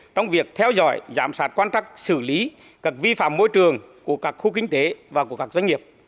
trong việc theo dõi giảm sạt quan trọng xử lý cập vi phạm môi trường của các khu kinh tế và của các doanh nghiệp